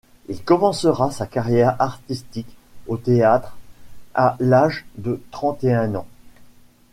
Il commencera sa carrière artistique au théâtre, à l'âge de trente-et-un ans.